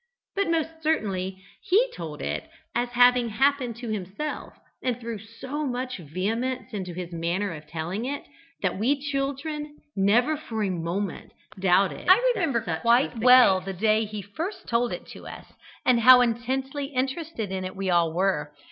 But, most certainly, he told it as having happened to himself, and threw so much vehemence into his manner of telling it, that we children never for a moment doubted that such was the case. I remember quite well the day he first told it to us; and how intensely interested in it we all were.